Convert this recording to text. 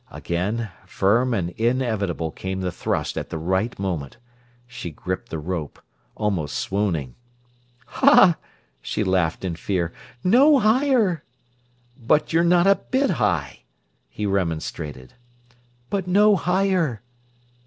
Again, firm and inevitable came the thrust at the right moment. She gripped the rope, almost swooning. "Ha!" she laughed in fear. "No higher!" "But you're not a bit high," he remonstrated. "But no higher."